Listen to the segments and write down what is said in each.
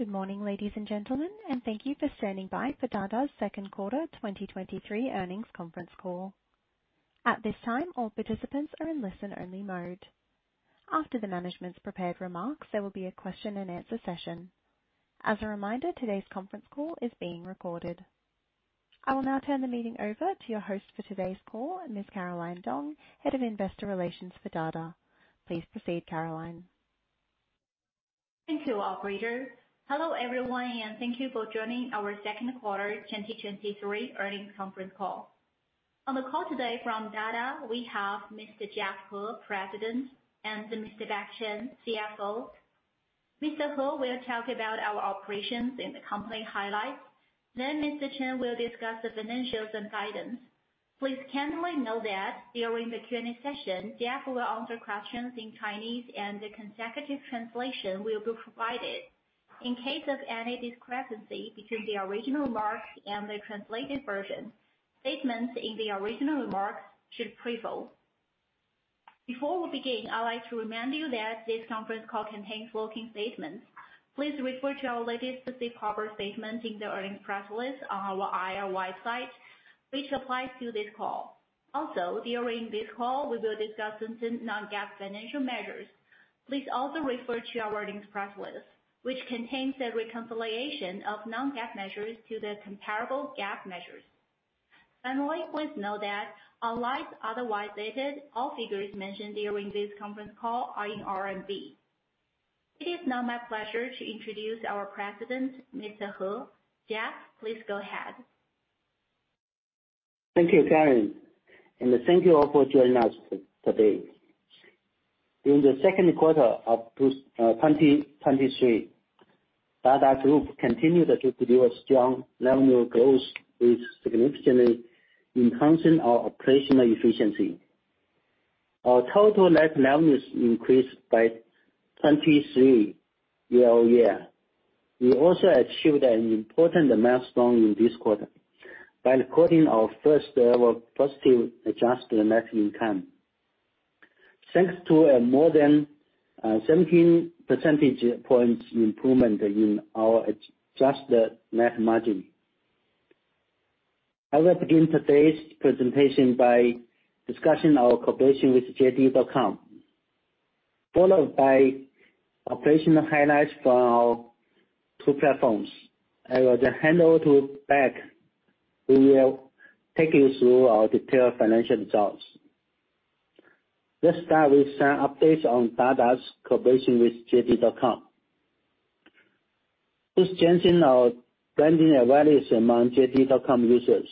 Good morning, ladies and gentlemen. Thank you for standing by for Dada's second quarter 2023 earnings conference call. At this time, all participants are in listen-only mode. After the management's prepared remarks, there will be a question-and-answer session. As a reminder, today's conference call is being recorded. I will now turn the meeting over to your host for today's call, Ms. Caroline Dong, Head of Investor Relations for Dada. Please proceed, Caroline. Thank you, operator. Hello, everyone, and thank you for joining our second quarter 2023 earnings conference call. On the call today from Dada, we have Mr. Jack He, President, and Mr. Beck Chen, CFO. Mr. He will talk about our operations and the company highlights. Mr. Chen will discuss the financials and guidance. Please kindly note that during the Q&A session, Jack will answer questions in Chinese, and the consecutive translation will be provided. In case of any discrepancy between the original remarks and the translated version, statements in the original remarks should prevail. Before we begin, I'd like to remind you that this conference call contains forward-looking statements. Please refer to our latest specific forward statement in the earnings press release on our IR website, which applies to this call. During this call, we will discuss certain non-GAAP financial measures. Please also refer to our earnings press release, which contains a reconciliation of non-GAAP measures to the comparable GAAP measures. Please note that unless otherwise stated, all figures mentioned during this conference call are in RMB. It is now my pleasure to introduce our President, Mr. He. Jack, please go ahead. Thank you, Caroline, and thank you all for joining us today. During the second quarter of 2023, Dada Group continued to produce strong revenue growth with significantly enhancing our operational efficiency. Our total net revenues increased by 23% year-on-year. We also achieved an important milestone in this quarter by recording our first ever positive adjusted net income. Thanks to a more than 17 percentage points improvement in our adjusted net margin. I will begin today's presentation by discussing our cooperation with JD.com, followed by operational highlights from our two platforms. I will then hand over to Beck, who will take you through our detailed financial results. Let's start with some updates on Dada's cooperation with JD.com. To strengthen our branding awareness among JD.com users,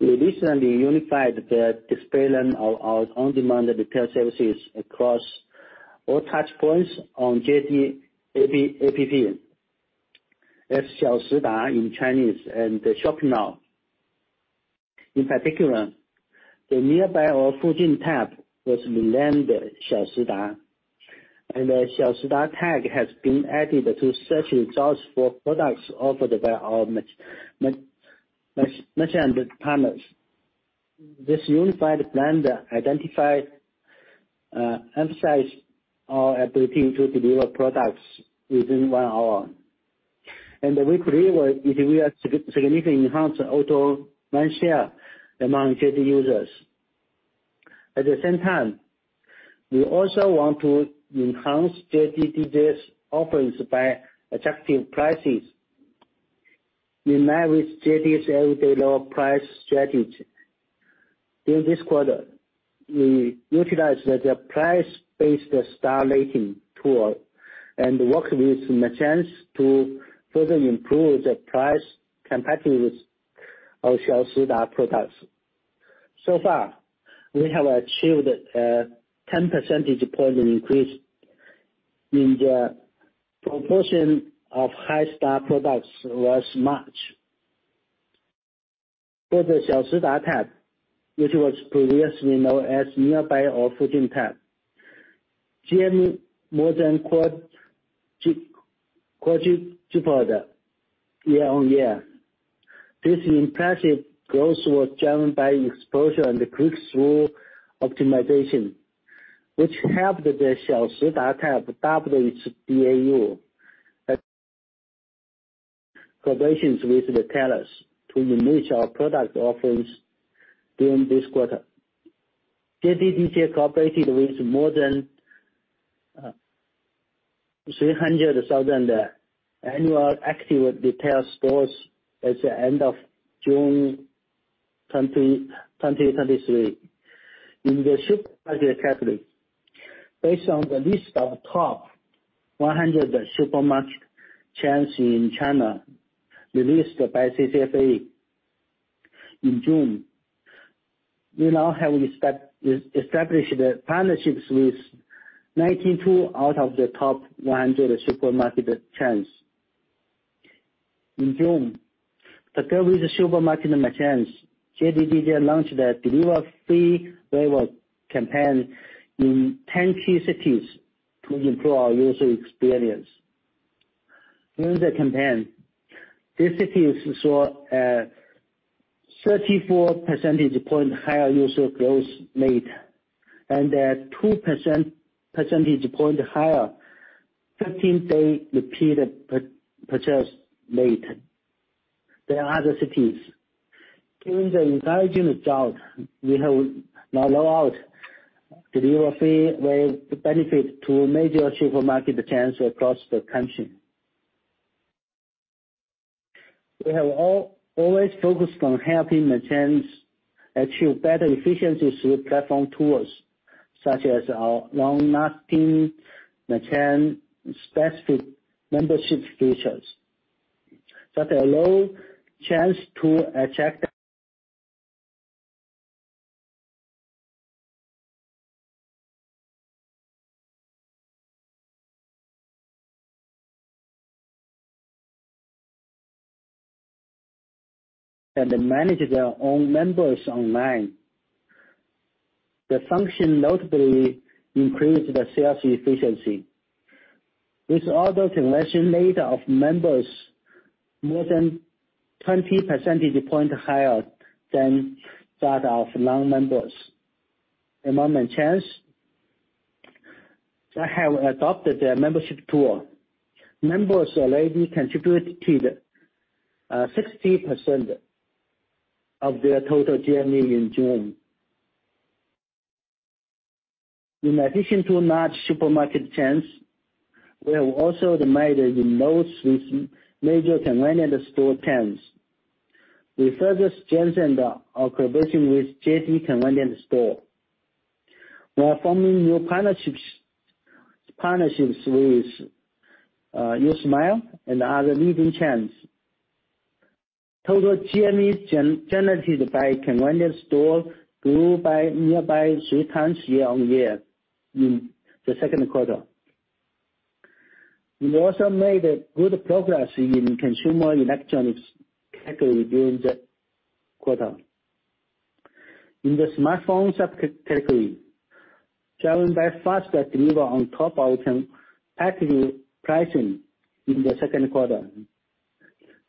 we recently unified the display name of our on-demand retail services across all touchpoints on JD APP as Xiaoshida in Chinese and Shop Now. In particular, the Nearby or Fujin tab was renamed Xiaoshida, and a Xiaoshida tag has been added to search results for products offered by our merchant partners. This unified brand identifies emphasizes our ability to deliver products within one hour, and we believe it will significantly enhance O2O mindshare among JD users. At the same time, we also want to enhance JD Digits offerings by attracting prices in line with JD's everyday low price strategy. During this quarter, we utilized the price-based star rating tool and worked with merchants to further improve the price competitiveness of Xiaoshida products. Far, we have achieved a 10 percentage point increase in the proportion of high star products last March. For the Xiaoshida tab, which was previously known as Nearby or Fujin tab, GM more than quadrupled year-on-year. This impressive growth was driven by exposure and the click-through optimization, which helped the Xiaoshida tab double its DAU. Collaborations with retailers to enrich our product offerings during this quarter. JD Digits cooperated with more than 300,000 annual active retail stores at the end of June 2023. In the supermarket category, based on the list of top 100 supermarket chains in China, released by CCFA in June, we now have established partnerships with 92 out of the top 100 supermarket chains. In June, together with the supermarket merchants, JD Digits launched a deliver free campaign in 10 key cities to improve our user experience. During the campaign, these cities saw 34 percentage point higher user growth rate, and a 2% percentage point higher 15-day repeated purchase rate than other cities. Given the encouraging result, we have now rolled out delivery with benefit to major supermarket chains across the country. We have always focused on helping merchants achieve better efficiency through platform tools, such as our long-lasting merchant-specific membership features that allow merchants to attract and manage their own members online. The function notably increased the sales efficiency. With order conversion rate of members more than 20 percentage point higher than that of non-members. Among merchants that have adopted the membership tool, members already contributed 60% of their total GMV in June. In addition to large supermarket chains, we have also made the most with major convenience store chains. We further strengthened our collaboration with JD Convenience Store, while forming new partnerships, partnerships with uSmile and other leading chains. Total GMV generated by convenience store grew by Nearby 3 times year-on-year in the second quarter. We also made a good progress in consumer electronics category during that quarter. In the smartphone subcategory, driven by faster delivery on top of active pricing in the second quarter.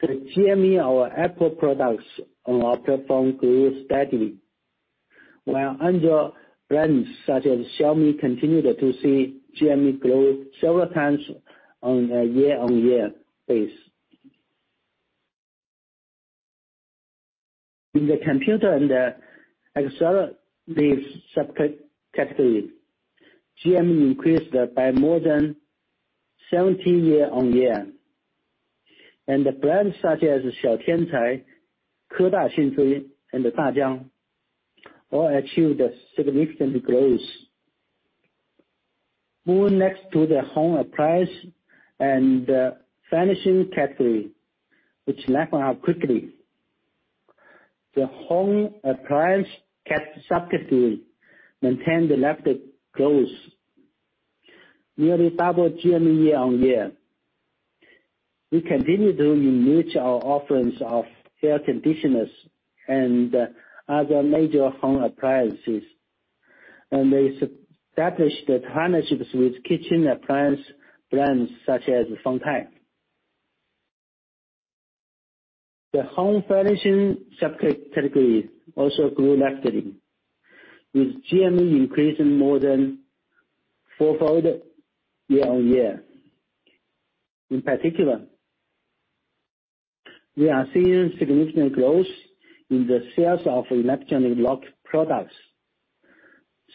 The GMV of our Apple products on our platform grew steadily, while Android brands, such as Xiaomi, continued to see GMV growth several times on a year-on-year base. In the computer and the accessories category, GMV increased by more than 70 year-on-year, and the brands such as Xiao Tiancai, Keda Xinzui, and DJI all achieved a significant growth. Moving next to the home appliance and furnishing category, which neckline out quickly. The home appliance subcategory maintained rapid growth, nearly double GMV year-on-year. We continue to enrich our offerings of air conditioners and other major home appliances, and they established partnerships with kitchen appliance brands such as Fotile. The home furnishing category also grew rapidly, with GMV increasing more than fourfold year-on-year. In particular, we are seeing significant growth in the sales of electronic lock products,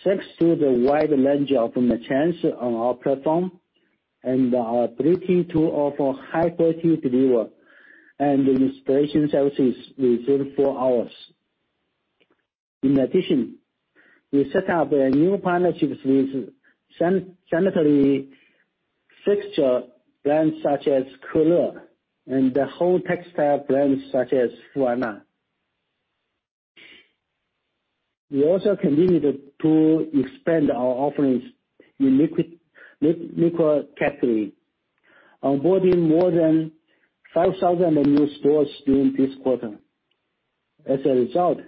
thanks to the wide range of merchants on our platform and our ability to offer high-quality delivery and installation services within 4 hours. In addition, we set up new partnerships with sanitary fixture brands such as Kohler and home textile brands such as Huana. We also continued to expand our offerings in liquor category, onboarding more than 5,000 new stores during this quarter. As a result,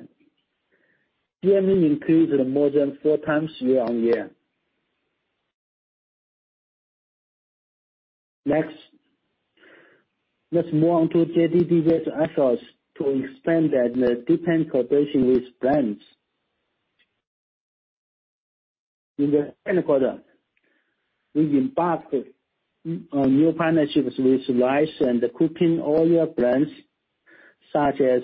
GMV increased more than 4x year-on-year. Next, let's move on to JD Digits' efforts to expand the deep end cooperation with brands. In the second quarter, we embarked on new partnerships with rice and cooking oil brands, such as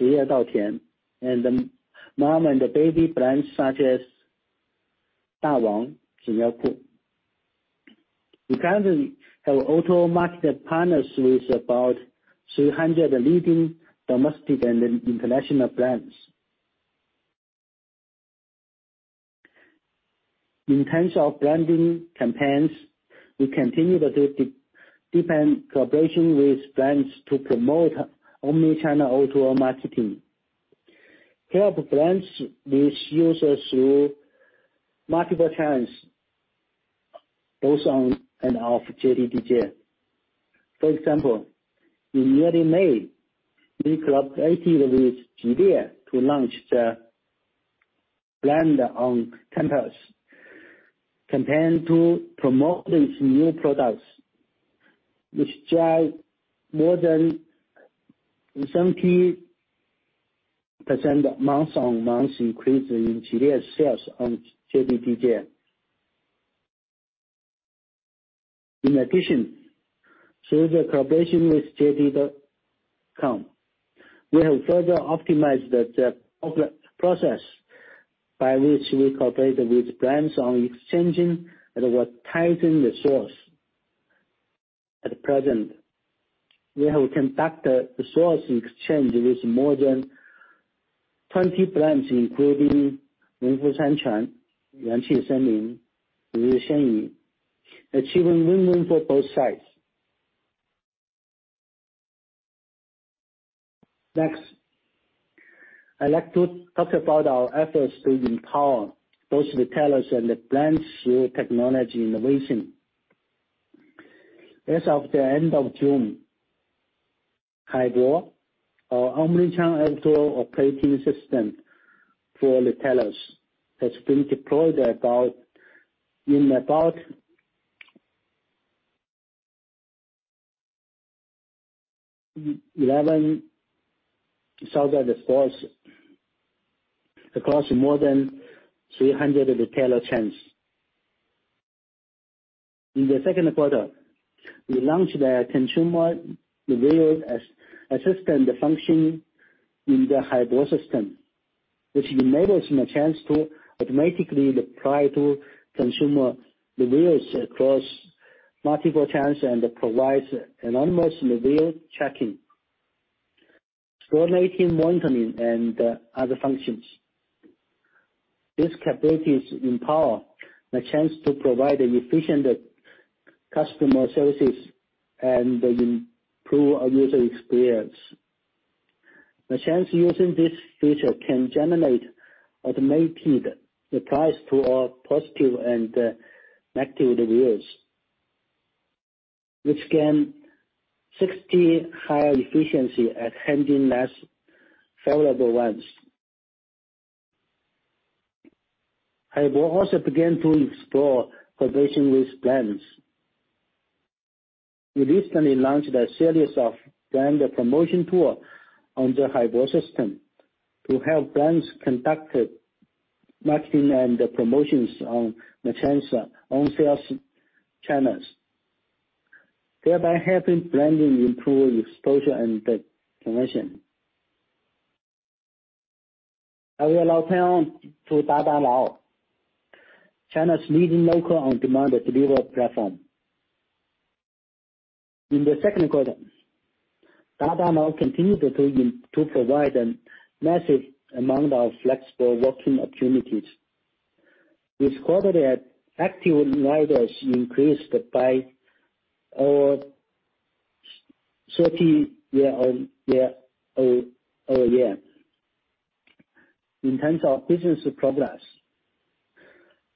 Shiyue Daotian, and mom and baby brands such as Dawang Xueku. We currently have auto market partners with about 300 leading domestic and international brands. In terms of branding campaigns, we continue to deepen collaboration with brands to promote omnichannel auto marketing, help brands with users through multiple channels, both on and off JD Digits. For example, in early May, we collaborated with JBL to launch the brand on campus, continue to promote these new products, which drive more than 70% month-on-month increase in serious sales on JDDJ. In addition, through the collaboration with JD.com, we have further optimized the process by which we cooperate with brands on exchanging and advertising the source. At present, we have conducted the source exchange with more than 20 brands, including Nongfu Shanquan, Yuanqi Senlin, and Yu Shenyi, achieving win-win for both sides. I'd like to talk about our efforts to empower both retailers and the brands through technology innovation. As of the end of June, Haibo, our omnichannel O2O operating system for retailers, has been deployed in about 11 software stores across more than 300 retailer chains. In the second quarter, we launched the consumer reviews assistant function in the Haibo system, which enables merchants to automatically reply to consumer reviews across multiple channels and provides an almost review checking, coordinating, monitoring, and other functions. These capabilities empower the chance to provide an efficient customer services and improve our user experience. Merchants using this feature can generate automated replies to all positive and negative reviews, which can 60 higher efficiency at handling less favorable ones. Haibo also began to explore collaboration with brands. We recently launched a series of brand promotion tour on the Haibo system to help brands conduct marketing and promotions on merchants, on sales channels, thereby helping branding improve exposure and the conversion. I will now turn to Dada Now, China's leading local on-demand delivery platform. In the second quarter, Dada Now continued to provide a massive amount of flexible working opportunities. This quarter, the active riders increased by 30 year-over-year, o-o-year. In terms of business progress,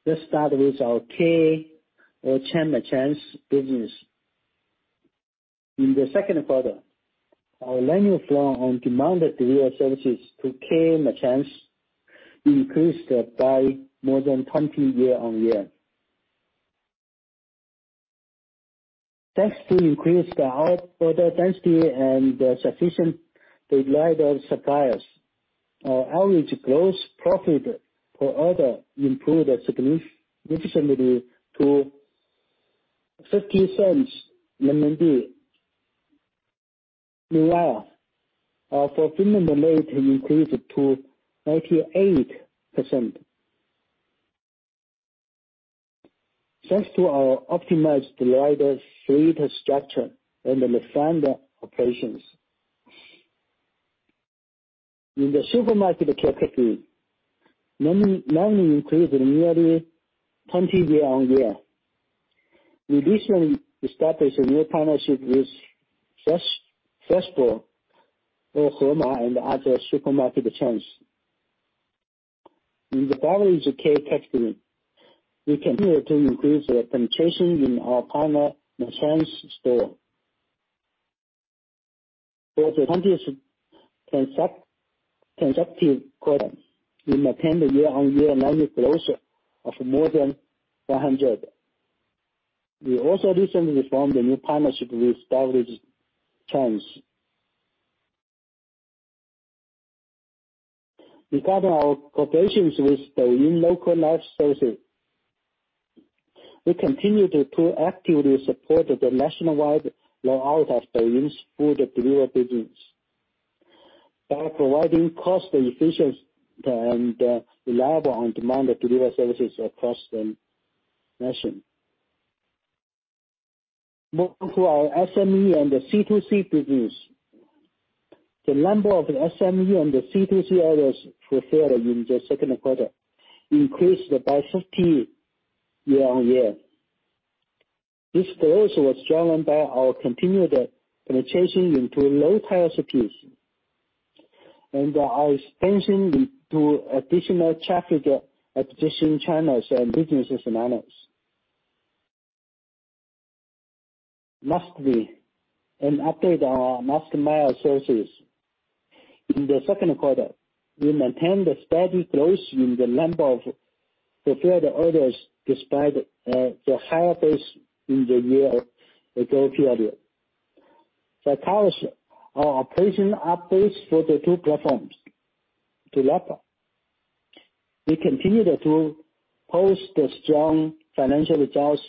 let's start with our key or chain merchants business. In the second quarter, our annual flow on demanded delivery services to key merchants increased by more than 20 year-on-year. Thanks to increased our order density and sufficient rider suppliers, our average gross profit per order improved significantly to RMB 0.50. Meanwhile, our fulfillment rate increased to 98%. Thanks to our optimized rider fleet structure and the refined operations. In the supermarket category, volume increased nearly 20 year-on-year. We recently established a new partnership with Freshippo, or Hema, and other supermarket chains. In the grocery care category, we continue to increase the penetration in our partner merchants store. For the 20th consecutive quarter, we maintained a year-on-year revenue growth of more than 100%. We also recently formed a new partnership with grocery chains. Regarding our collaborations with the local life services, we continue to actively support the nationwide rollout of the food delivery business by providing cost efficient and reliable on-demand delivery services across the nation. Moving to our SME and the C2C business. The number of SME and the C2C orders fulfilled in the second quarter increased by 50% year-on-year. This growth was driven by our continued penetration into low-tier cities and our expansion into additional traffic acquisition channels and business scenarios. Lastly, an update on our last mile sources. In the second quarter, we maintained a steady growth in the number of fulfilled orders, despite the higher base in the year ago period. Tell us our operation updates for the two platforms. To wrap up, we continue to post the strong financial results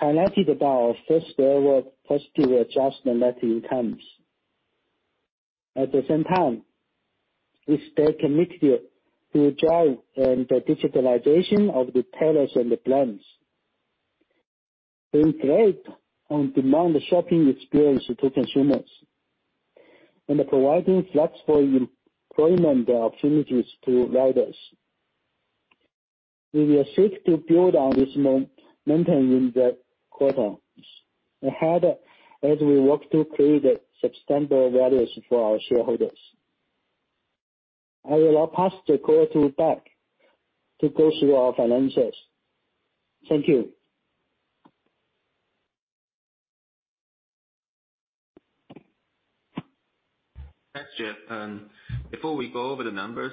highlighted by our first ever positive adjusted net income. At the same time, we stay committed to drive the digitalization of the sellers and the brands. Bring great on-demand shopping experience to consumers and providing flexible employment opportunities to riders. We are seek to build on this momentum in the quarters ahead as we work to create substantial values for our shareholders. I will now pass the call to Beck to go through our finances. Thank you. Thanks, Jeff. Before we go over the numbers,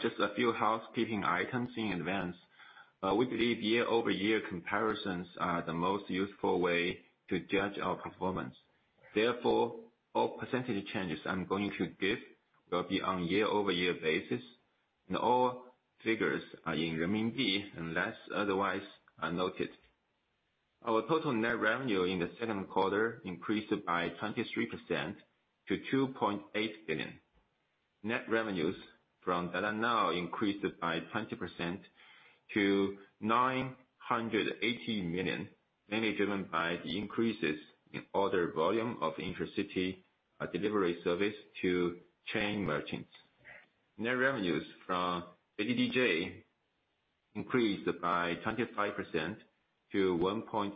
just a few housekeeping items in advance. We believe year-over-year comparisons are the most useful way to judge our performance. All % changes I'm going to give will be on year-over-year basis, and all figures are in renminbi, unless otherwise noted. Our total net revenue in the second quarter increased by 23% to 2.8 billion. Net revenues from Dada Now increased by 20% to 980 million, mainly driven by the increases in order volume of intracity delivery service to chain merchants. Net revenues from JDDJ increased by 25% to 1.8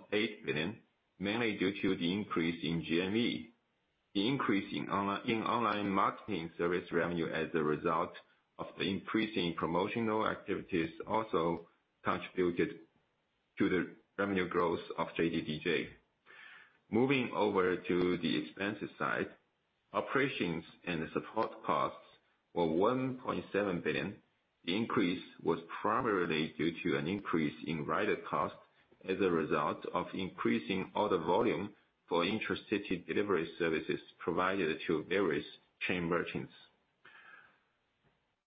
billion, mainly due to the increase in GMV. The increase in online marketing service revenue as a result of the increasing promotional activities, also contributed to the revenue growth of JDDJ. Moving over to the expenses side, operations and support costs were 1.7 billion. The increase was primarily due to an increase in rider costs as a result of increasing order volume for intracity delivery services provided to various chain merchants.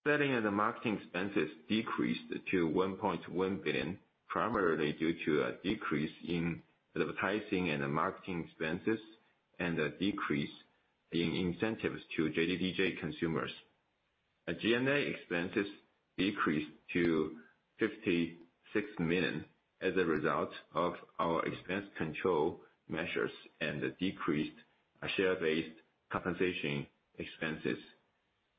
Selling and the marketing expenses decreased to 1.1 billion, primarily due to a decrease in advertising and the marketing expenses, and a decrease in incentives to JDDJ consumers. G&A expenses decreased to 56 million as a result of our expense control measures and the decreased share-based compensation expenses.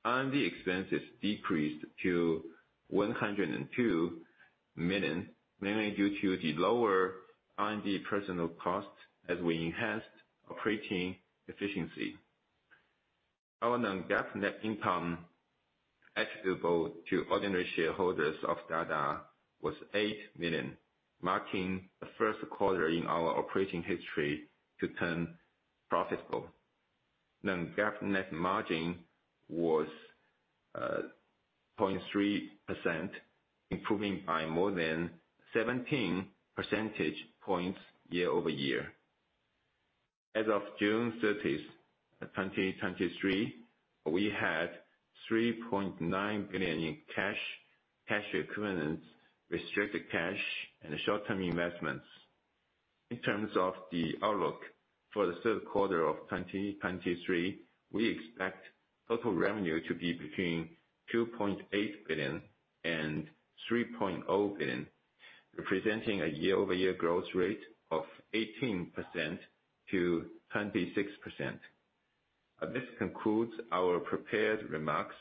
R&D expenses decreased to 102 million, mainly due to the lower R&D personal costs as we enhanced operating efficiency. Our non-GAAP net income attributable to ordinary shareholders of Dada was 8 million, marking the first quarter in our operating history to turn profitable. non-GAAP net margin was 0.3%, improving by more than 17 percentage points year-over-year. As of June 30, 2023, we had 3.9 billion in cash, cash equivalents, restricted cash, and short-term investments. In terms of the outlook for the third quarter of 2023, we expect total revenue to be between 2.8 billion and 3.0 billion, representing a year-over-year growth rate of 18%-26%. This concludes our prepared remarks,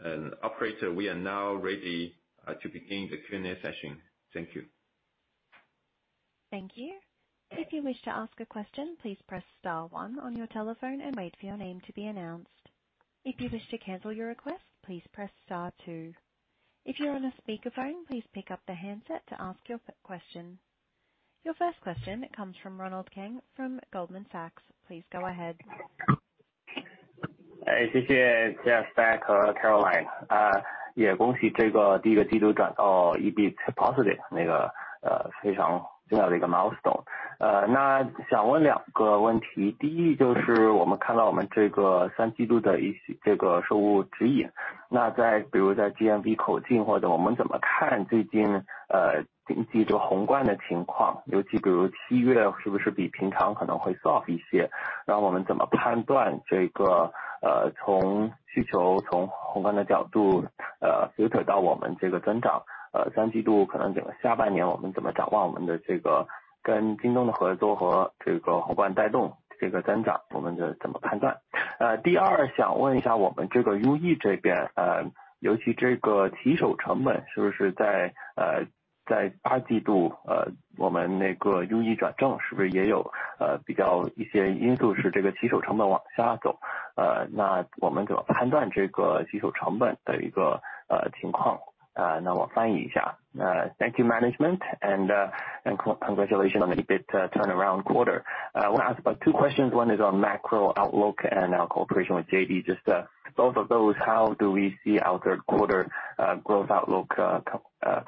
and operator, we are now ready to begin the Q&A session. Thank you. Thank you. If you wish to ask a question, please press star one on your telephone and wait for your name to be announced. If you wish to cancel your request, please press star two. If you're on a speakerphone, please pick up the handset to ask your question. Your first question comes from Ronald Keung from Goldman Sachs. Please go ahead. Thank you, Jack, Beck, Caroline. Also congratulations on the first quarter turning to EBITDA positive. That's a very important milestone. I would like to ask two questions. The first is, we see our third quarter revenue guidance. For example, in terms of GMV growth, how do we look at the recent macro situation? Especially, for example, is July possibly softer than usual? How do we judge this from demand, from a macro perspective, filter to our growth? Third quarter, maybe the second half of the year, how do we look at our cooperation with JD and how this drives growth? How do we judge this? Second, I would like to ask about our UE, especially the rider cost. Is it, in the second quarter, our UE turnaround, is there also some factors that make the rider cost go down? How do we judge this rider cost situation? Now I translate it. Thank you, management, and congratulations on the EBITDA turnaround quarter. We'll ask about two questions. One is on macro outlook and our cooperation with JD. Just, both of those, how do we see our third quarter growth outlook,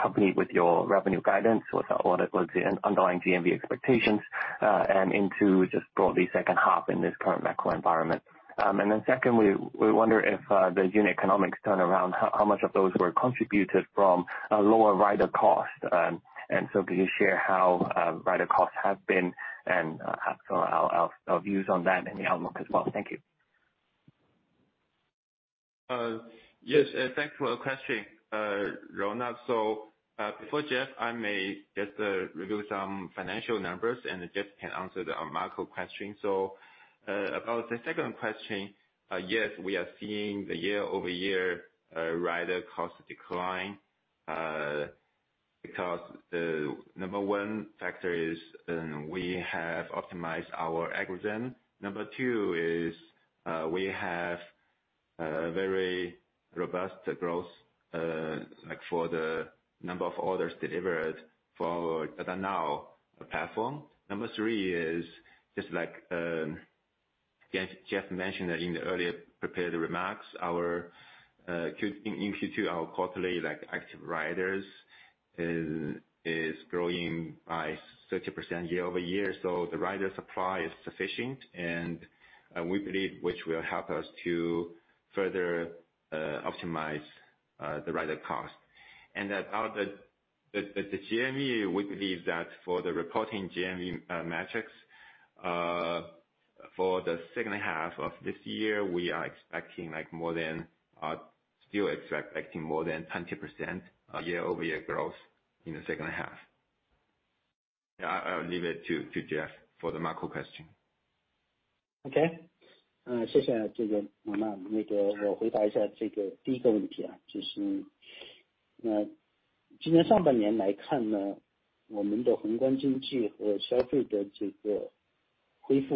company with your revenue guidance? What's, what is the underlying GMV expectations, and into just broadly second half in this current macro environment? Secondly, we wonder if the unit economics turnaround, how much of those were contributed from a lower rider cost? Can you share how rider costs have been and so how views on that and the outlook as well? Thank you. Yes, thanks for the question, Ronald. For Jack, I may just review some financial numbers, and then Jack can answer the macro question. About the second question, yes, we are seeing the year-over-year rider cost decline, because the number one factor is, we have optimized our algorithm. Number two is, we have a very robust growth, like for the number of orders delivered for Dada Now platform. Number three is, just like Jack mentioned that in the earlier prepared remarks, our Q, in Q2, our quarterly, like, active riders is growing by 30% year-over-year. The rider supply is sufficient and we believe, which will help us to further optimize the rider cost. That our GMV, we believe that for the reporting GMV metrics for the second half of this year, we are expecting, like, more than still expecting more than 20% year-over-year growth in the second half. Yeah, I'll leave it to Jack for the macro question. Thank you, Ronald. In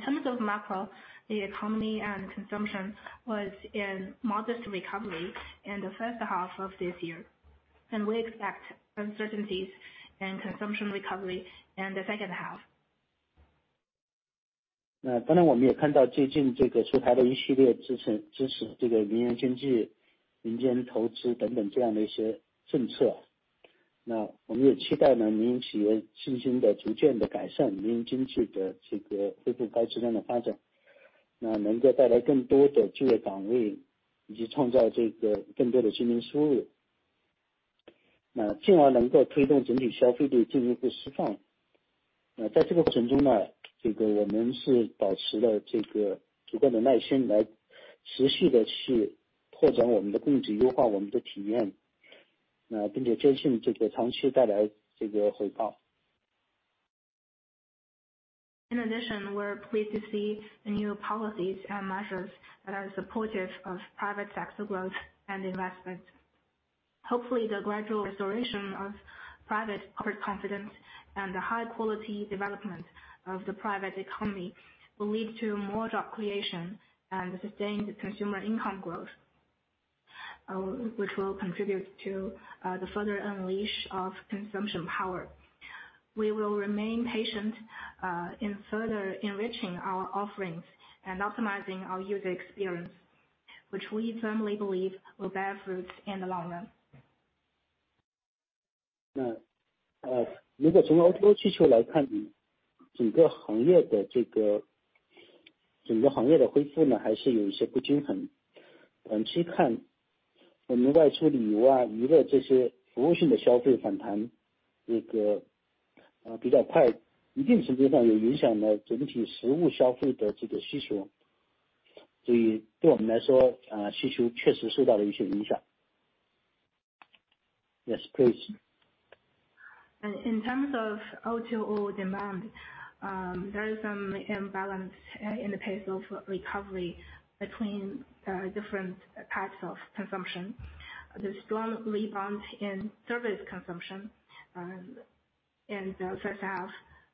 terms of macro, the economy and consumption was in modest recovery in the first half of this year. We expect uncertainties and consumption recovery in the second half. In addition, we're pleased to see the new policies and measures that are supportive of private sector growth and investment. Hopefully, the gradual restoration of private corporate confidence and the high-quality development of the private economy will lead to more job creation and sustain the consumer income growth, which will contribute to the further unleash of consumption power. We will remain patient in further enriching our offerings and optimizing our user experience, which we firmly believe will bear fruits in the long run. Yes, please. In terms of O2O demand, there is some imbalance in the pace of recovery between different types of consumption. The strong rebound in service consumption in the first half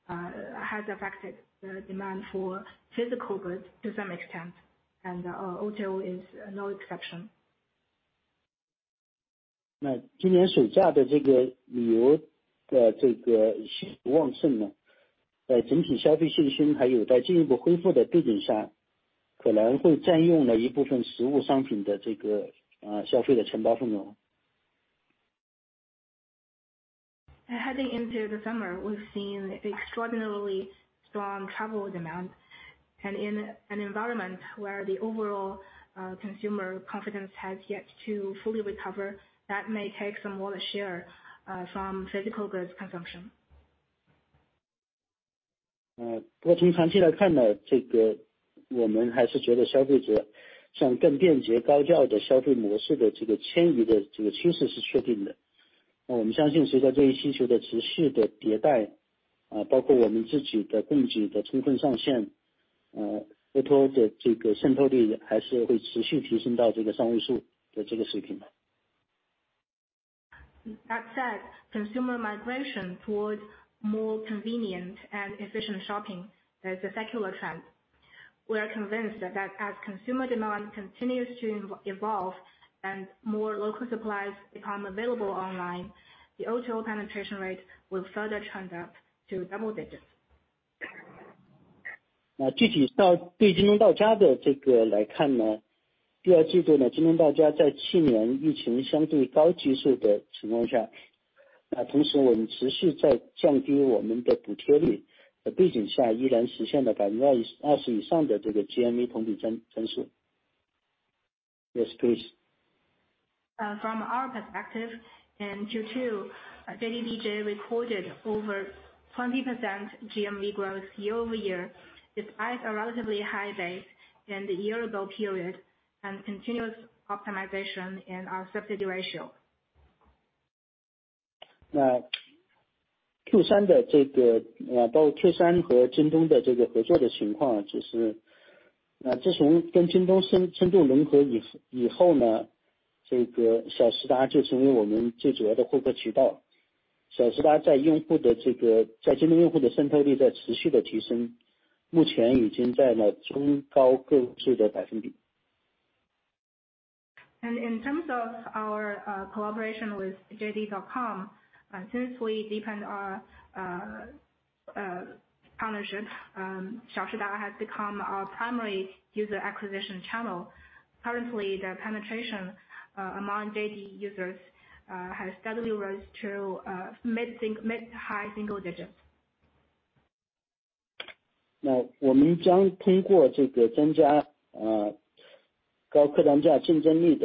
has affected the demand for physical goods to some extent, and O2O is no exception. Heading into the summer, we've seen extraordinarily strong travel demand. In an environment where the overall consumer confidence has yet to fully recover, that may take some more share from physical goods consumption. That said, consumer migration towards more convenient and efficient shopping is a secular trend. We are convinced that as consumer demand continues to evolve and more local supplies become available online, the O2O penetration rate will further trend up to double digits. Yes, please. From our perspective, in Q2, JDDJ recorded over 20% GMV growth year-over-year, despite a relatively high base in the year ago period and continuous optimization in our subsidy ratio. In terms of our collaboration with JD.com, since we deepened our partnership, Xiaoshida has become our primary user acquisition channel. Currently, the penetration among JD users has steadily rose to mid high single digits. We will increase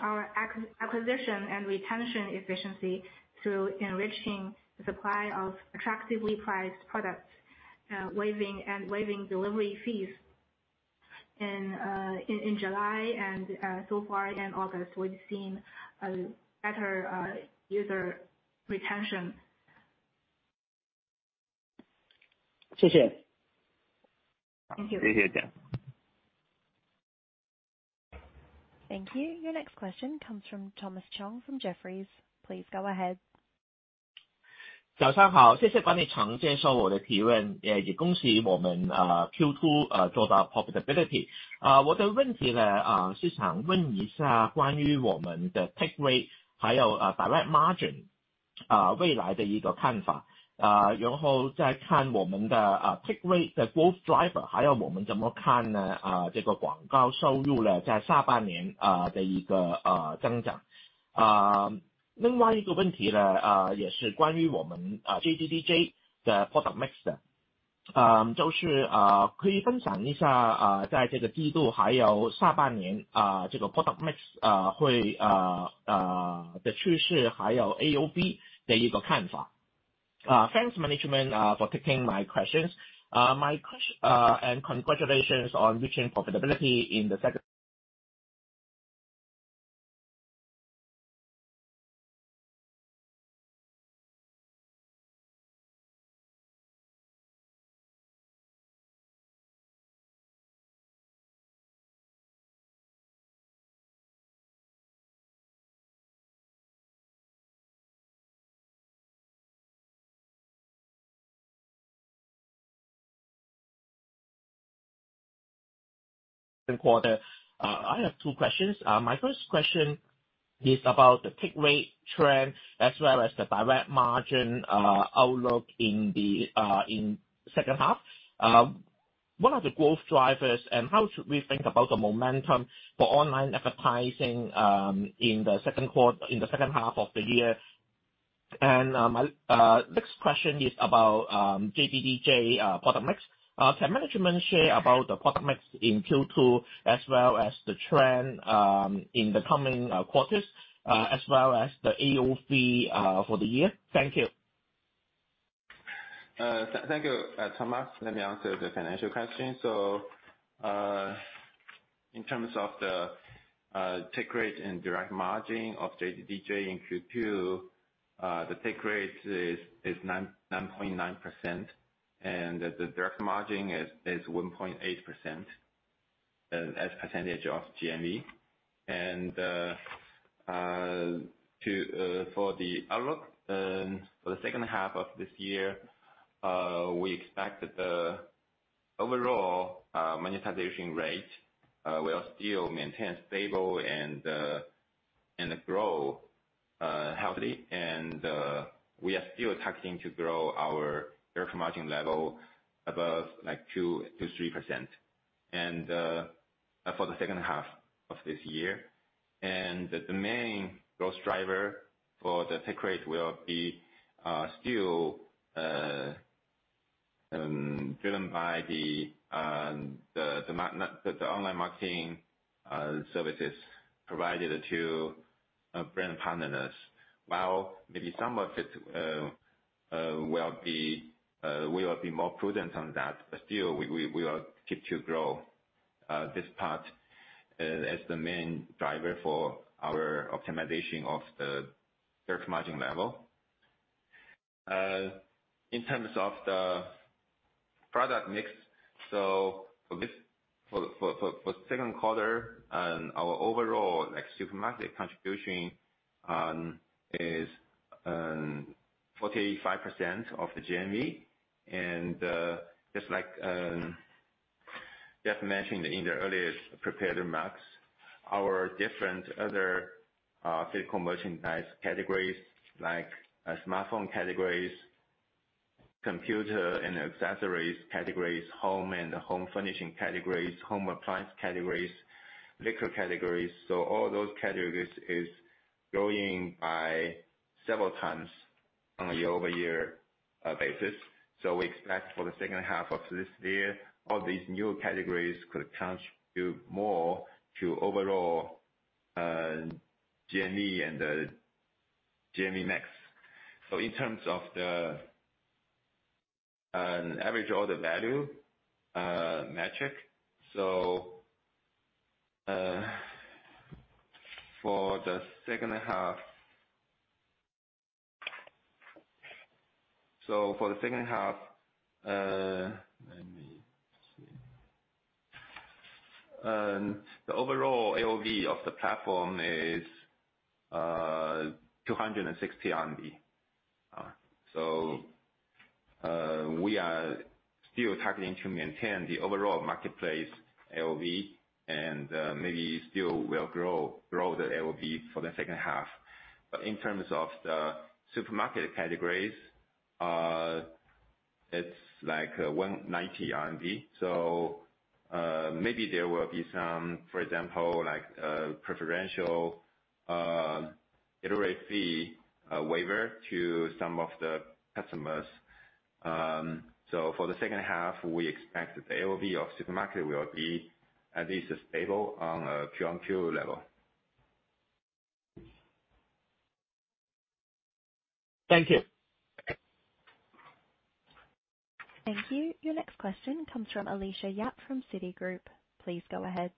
our acquisition and retention efficiency through enriching the supply of attractively priced products, waiving and waiving delivery fees. In July and so far in August, we've seen a better user retention. Thank you. Thank you. Your next question comes from Thomas Chong from Jefferies. Please go ahead. Thanks, management, for taking my questions. Congratulations on reaching profitability in the second quarter. I have two questions. My first question is about the take rate trend as well as the direct margin outlook in the second half. What are the growth drivers, and how should we think about the momentum for online advertising in the second quarter, in the second half of the year? Next question is about JDDJ product mix. Can management share about the product mix in Q2 as well as the trend in the coming quarters, as well as the AOV for the year? Thank you. Thank you, Thomas. Let me answer the financial question. In terms of the take rate and direct margin of JDDJ in Q2, the take rate is 9.9%, and the direct margin is 1.8% as percentage of GMV. For the outlook for the second half of this year, we expect that the overall monetization rate will still maintain stable and grow healthy. We are still targeting to grow our direct margin level above, like, 2%-3% for the second half of this year. The main growth driver for the take rate will be still driven by the online marketing services provided to brand partners. While maybe some of it will be more prudent on that, but still, we will keep to grow this part as the main driver for our optimization of the direct margin level. In terms of the product mix, for second quarter and our overall, like, supermarket contribution, is 45% of the GMV. Just like Jack mentioned in the earliest prepared remarks, our different other physical merchandise categories, like smartphone categories, computer and accessories categories, home and home furnishing categories, home appliance categories, liquor categories. All those categories is growing by several times on a year-over-year basis. We expect for the second half of this year, all these new categories could contribute more to overall GMV and GMV next. In terms of the an average order value metric for the second half. For the second half, let me see. The overall AOV of the platform is RMB 260. We are still targeting to maintain the overall marketplace AOV, and maybe still will grow, grow the AOV for the second half. In terms of the supermarket categories, it's like 190 RMB. Maybe there will be some, for example, like preferential iterate fee waiver to some of the customers. For the second half, we expect that the AOV of supermarket will be at least stable on a Q on Q level. Thank you. Thank you. Your next question comes from Alicia Yap from Citigroup. Please go ahead.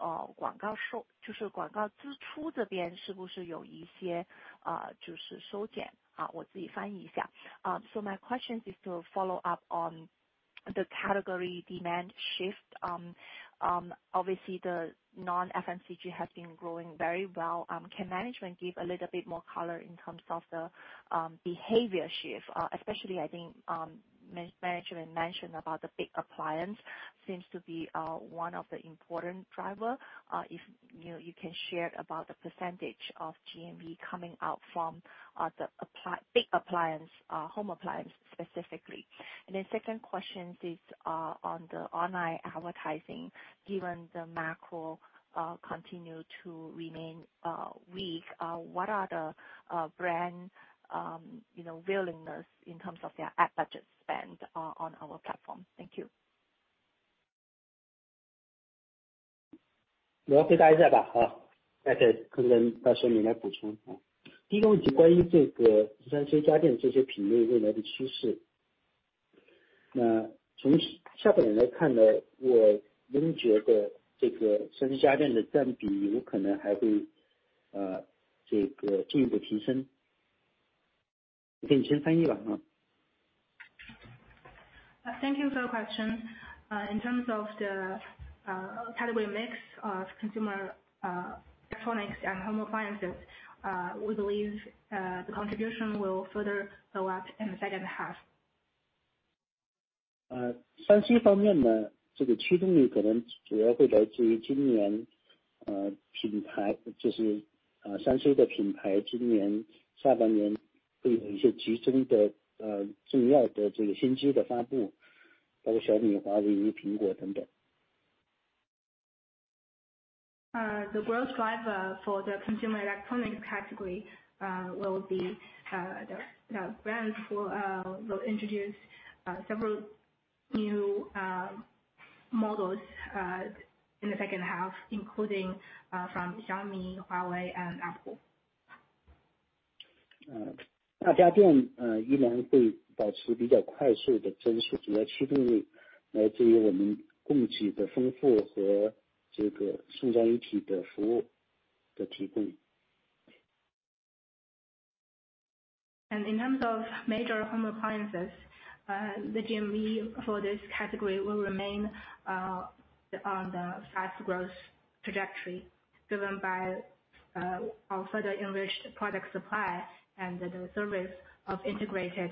So my question is to follow up on the category demand shift. obviously the non FMCG has been growing very well. Can management give a little bit more color in terms of the behavior shift? Especially I think, management mentioned about the big appliance seems to be one of the important driver. If, you know, you can share about the % of GMV coming out from the big appliance, home appliance specifically. Second question is on the online advertising. Given the macro, continue to remain weak, what are the brand, you know, willingness in terms of their ad budget spend on our platform? Thank you. Thank you for the question. In terms of the category mix of consumer electronics and home appliances, we believe the contribution will further go up in the second half. for the consumer electronics category will be the brands that introduce several new models in the second half, including from Xiaomi, Huawei, and Apple In terms of major home appliances, the GMV for this category will remain on the fast growth trajectory, driven by our further enriched product supply and the service of integrated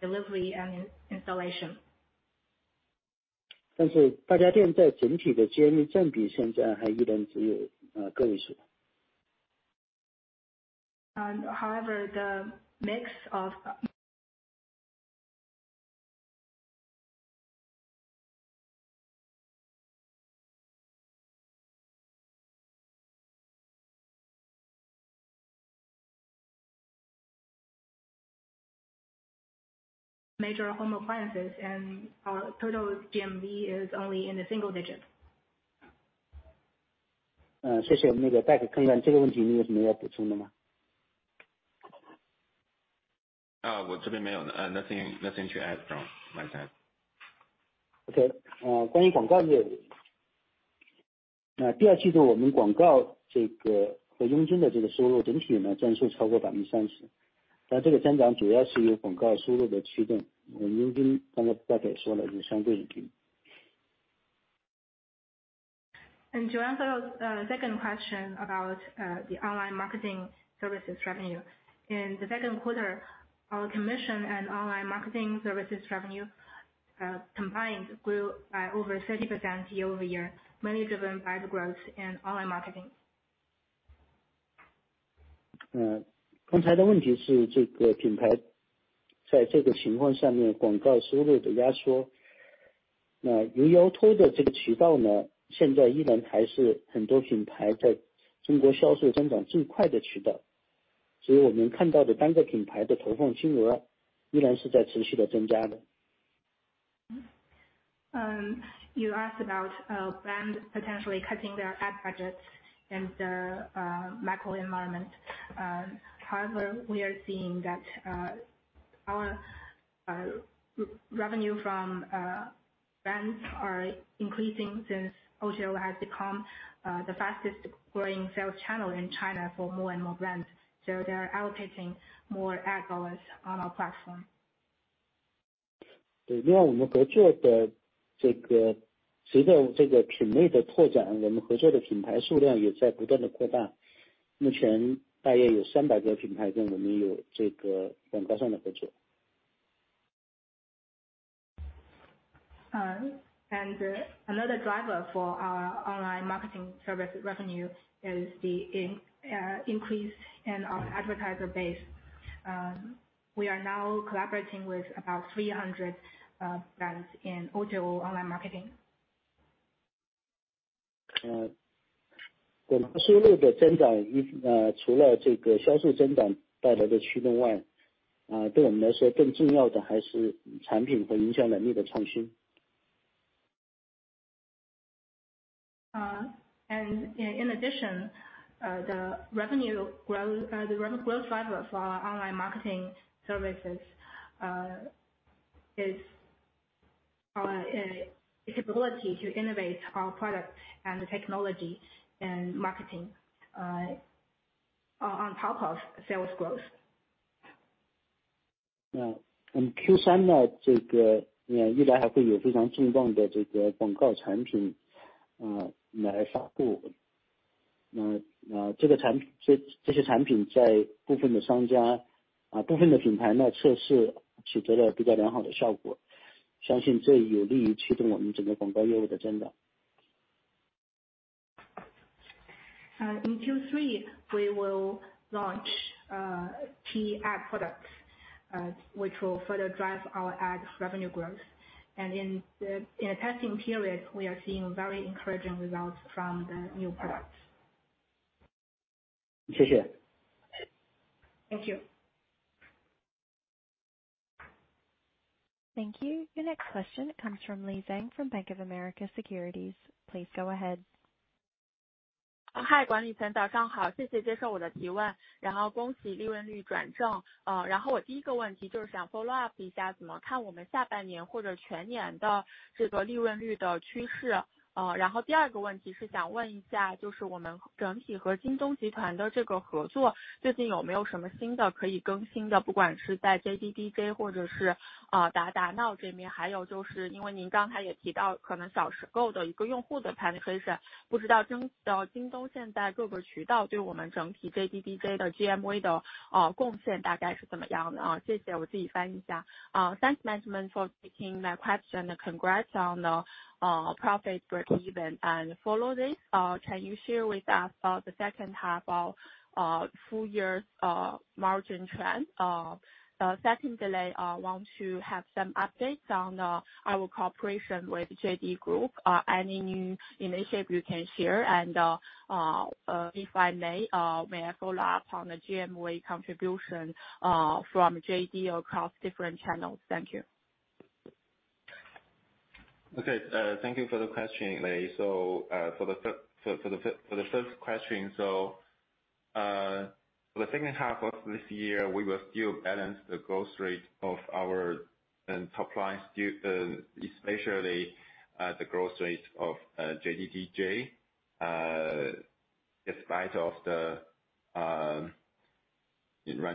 delivery and in- installation. However, the mix of major home appliances and our total GMV is only in the single digit. Nothing, nothing to add from my side. To answer the second question about the online marketing services revenue. In the second quarter, our commission and online marketing services revenue combined grew by over 30% year-over-year, mainly driven by the growth in online marketing. You asked about brands potentially cutting their ad budgets and the macro environment. However, we are seeing that our revenue from brands are increasing since O2O has become the fastest growing sales channel in China for more and more brands. They are allocating more ad dollars on our platform. Another driver for our online marketing service revenue is the increase in our advertiser base. We are now collaborating with about 300 brands in O2O online marketing. In addition, the revenue growth, the revenue growth driver for our online marketing services is the capability to innovate our product and the technology and marketing on top of sales growth. In Q3, we will launch key ad products, which will further drive our ad revenue growth. In the, in the testing period, we are seeing very encouraging results from the new products. Thank you. Thank you. Your next question comes from Eddie Leung from Bank of America Securities. Please go ahead. Thanks management for taking my question and congrats on the profit breakeven. Follow this, can you share with us about the second half of full year's margin trend? Second delay, want to have some updates on our cooperation with JD Group. Any new initiative you can share? If I may, may I follow up on the GMV contribution from JD across different channels? Thank you. Okay. Thank you for the question, Le. For the first question, for the second half of this year, we will still balance the growth rate of our end top line due, especially the growth rate of JDDJ, despite of the right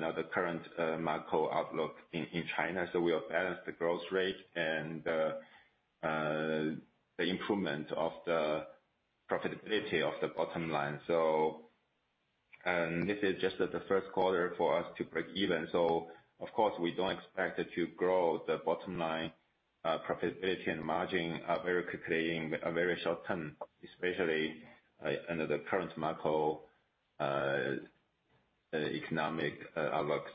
now, the current macro outlook in China. We are balance the growth rate and the improvement of the profitability of the bottom line. This is just the first quarter for us to break even. Of course, we don't expect it to grow. The bottom line profitability and margin are very quickly in a very short term, especially under the current market economic outlook.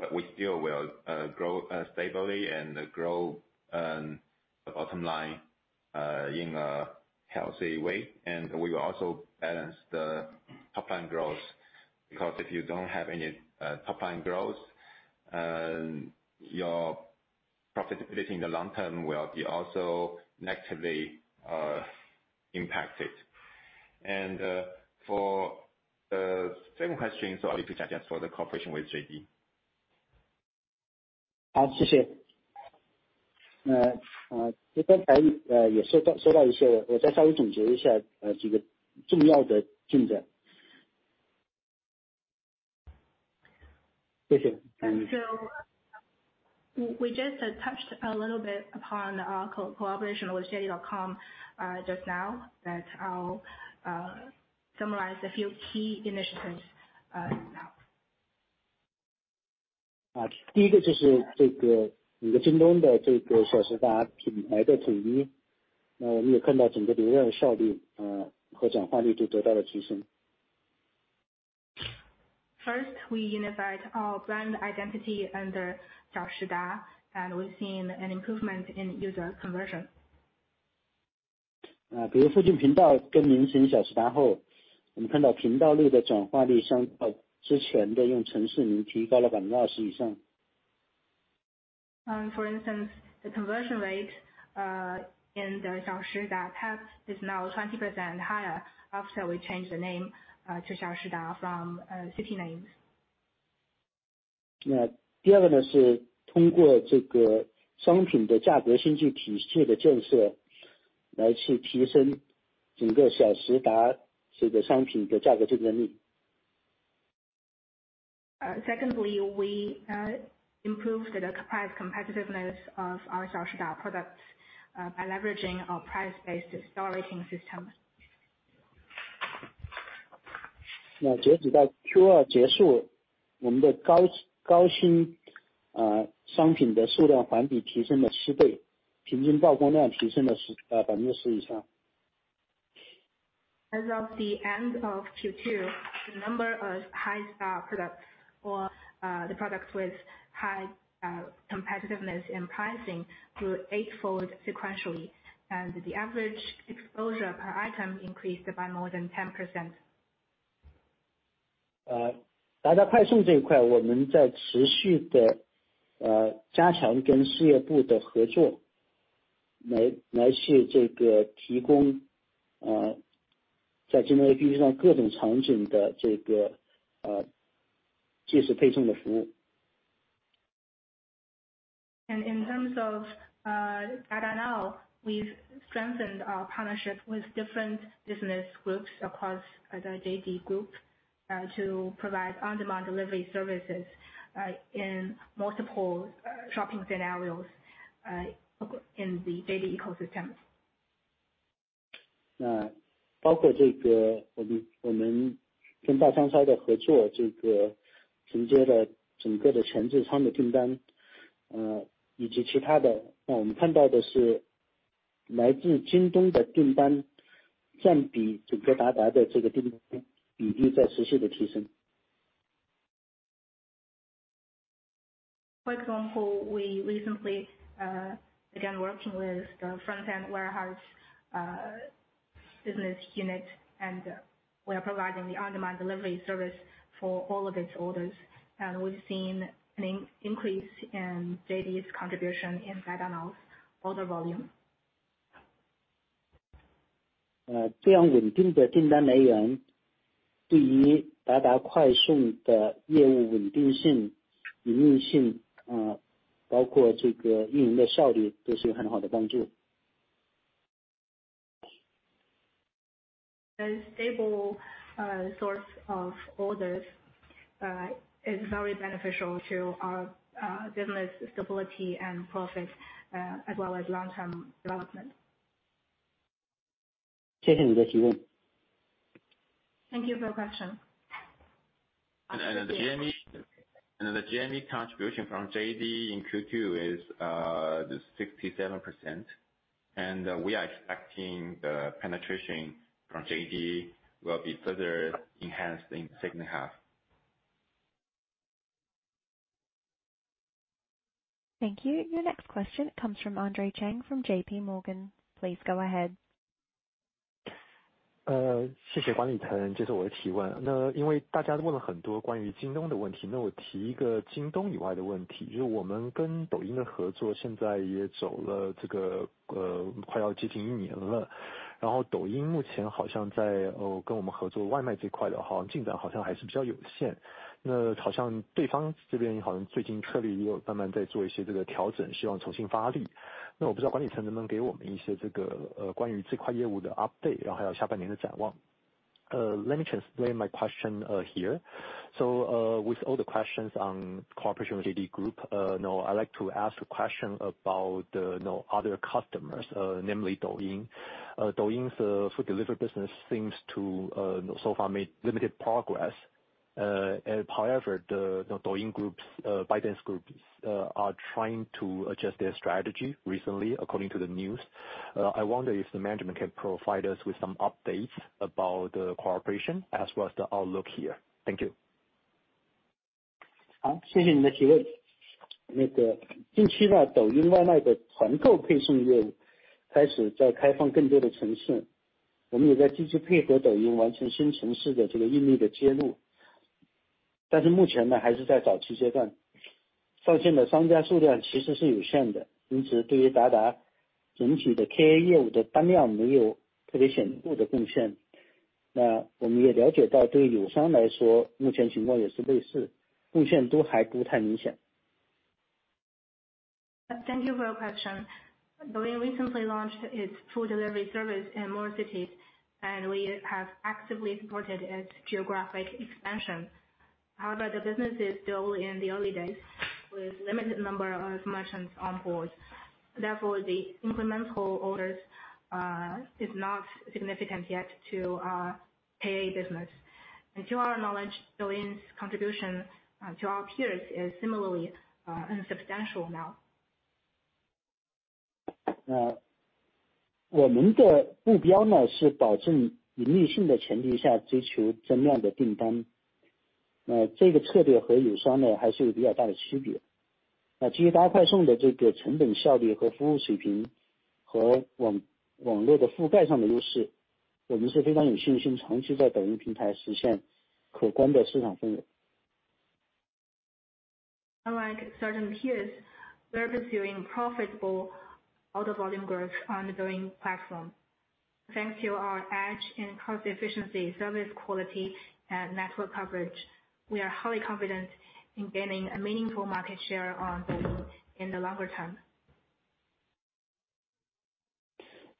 But we still will grow stably and grow the bottom line in a healthy way. We will also balance the top line growth, because if you don't have any top line growth, your profitability in the long term will be also negatively impacted. For same question, if you can just for the cooperation with JD. We just touched a little bit upon our cooperation with JD.com just now, but I'll summarize a few key initiatives now. First, we unified our brand identity under XiaoShida, and we've seen an improvement in user conversion. For instance, the conversion rate in the XiaoShida app is now 20% higher after we changed the name to XiaoShida from city names. Secondly, we improved the price competitiveness of our XiaoShida products by leveraging our price-based star rating system. As of the end of Q2, the number of high star products or the products with high competitiveness and pricing grew eightfold sequentially, and the average exposure per item increased by more than 10%. In terms of Dada Now, we've strengthened our partnership with different business groups across the JD Group to provide on-demand delivery services in multiple shopping scenarios in the JD ecosystem. For example, we recently began working with the front-end warehouse business unit, and we are providing the on-demand delivery service for all of its orders, and we've seen an increase in JD's contribution in Dada Now's order volume. A stable source of orders is very beneficial to our business stability and profit, as well as long-term development. Thank you for your question. The GMV, and the GMV contribution from JD in Q2 is 67%. We are expecting the penetration from JD will be further enhanced in second half. Thank you. Your next question comes from Andy Chang, from JPMorgan. Please go ahead. let me translate my question here. With all the questions on cooperation with JD Group, now I'd like to ask a question about, the, no other customers, namely Douyin. Douyin's food delivery business seems to so far make limited progress. However, the Douyin groups, ByteDance groups, are trying to adjust their strategy recently, according to the news. I wonder if the management can provide us with some updates about the cooperation as well as the outlook here? Thank you. Thank you for your question. Thank you for your question. Douyin recently launched its food delivery service in more cities, and we have actively supported its geographic expansion. However, the business is still in the early days with limited number of merchants on board. Therefore, the incremental orders is not significant yet to KA business. And to our knowledge, Douyin's contribution to our peers is similarly insubstantial now. Unlike certain peers, we are pursuing profitable order volume growth on the Douyin platform. Thanks to our edge in cost efficiency, service quality, and network coverage, we are highly confident in gaining a meaningful market share on Douyin in the longer term.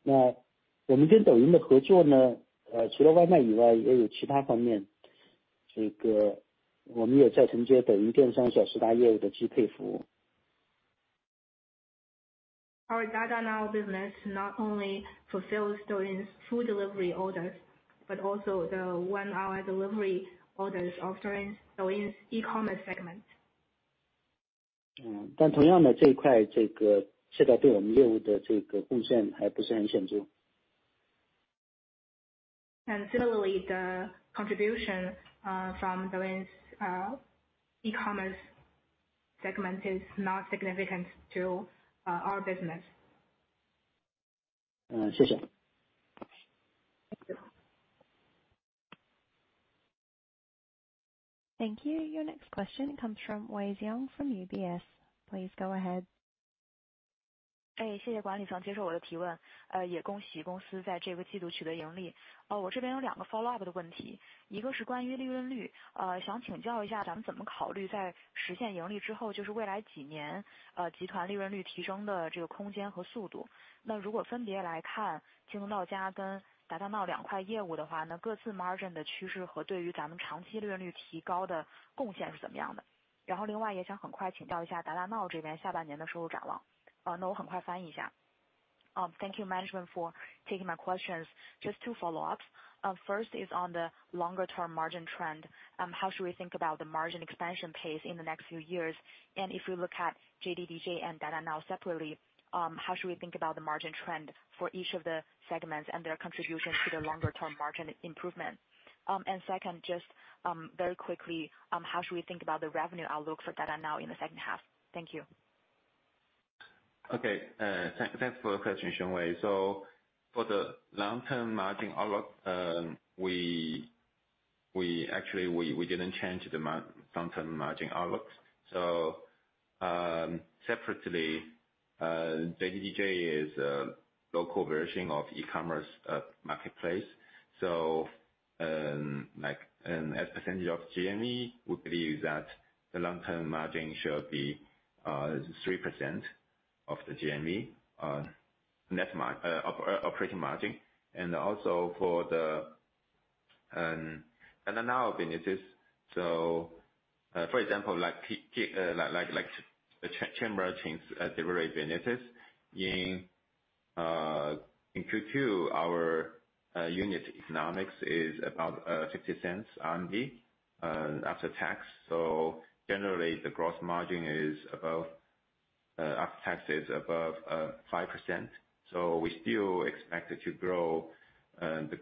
Now, Our Dada Now business not only fulfills Douyin's food delivery orders, but also the one-hour delivery orders of Douyin, Douyin's e-commerce segment. Similarly, the contribution from Douyin's e-commerce segment is not significant to our business. Thank you. Thank you. Your next question comes from Wei Xiong from UBS. Please go ahead. Um, thank you, management, for taking my questions. Just two follow-ups. First is on the longer term margin trend. How should we think about the margin expansion pace in the next few years? If we look at JDDJ and Dada Now separately, how should we think about the margin trend for each of the segments and their contribution to the longer term margin improvement? Second, just very quickly, how should we think about the revenue outlook for Dada Now in the second half? Thank you. Okay, thanks for the question, Wei. For the long-term margin outlook, we actually didn't change the long-term margin outlook. Separately, JDDJ is a local version of e-commerce marketplace. Like, as a percentage of GMV, we believe that the long-term margin should be 3% of the GMV operating margin, and also for the Dada Now businesses. For example, like, chain restaurants delivery businesses in Q2, our unit economics is about 0.60 after tax. Generally, the gross margin is above, after tax is above 5%. We still expect it to grow the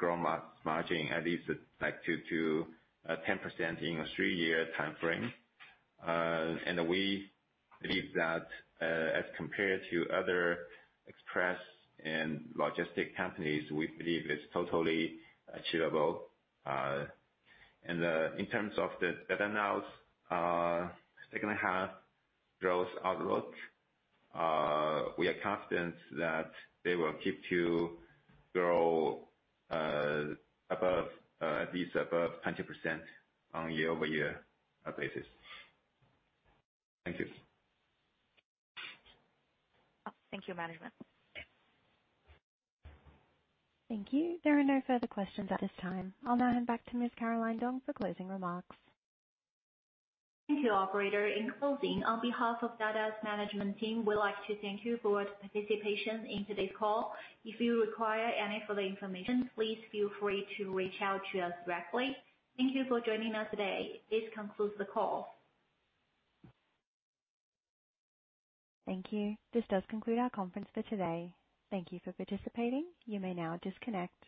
margin at least like 2%-10% in a three-year timeframe. We believe that, as compared to other express and logistic companies, we believe it's totally achievable. In terms of the Dada Now's second half growth outlook, we are confident that they will keep to grow above, at least above 20% on a year-over-year basis. Thank you. Thank you, management. Thank you. There are no further questions at this time. I'll now hand back to Miss Caroline Dong for closing remarks. Thank you, operator. In closing, on behalf of Dada's management team, we'd like to thank you for your participation in today's call. If you require any further information, please feel free to reach out to us directly. Thank you for joining us today. This concludes the call. Thank you. This does conclude our conference for today. Thank you for participating. You may now disconnect.